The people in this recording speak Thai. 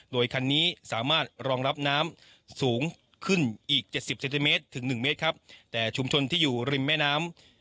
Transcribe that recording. โดยคันนี้สามารถรองรับน้ำสูงขึ้นอีกเจ็ดสิบเซนติเมตรถึงหนึ่งเมตรครับแต่ชุมชนที่อยู่ริมแม่น้ำ